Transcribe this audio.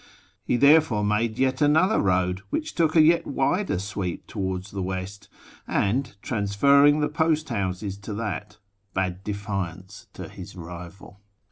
He therefore made yet another road, wdiich took a yet wider sweep towards the west, and, transferring the post houses to that, bade defiance to his rival.